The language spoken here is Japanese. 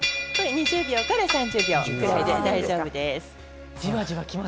２０秒から３０秒で大丈夫です。